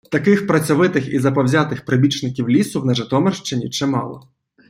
Таких працьовитих і заповзятих прибічників лісу на Житомирщині чимало.